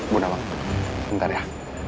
bunda bang bentar ya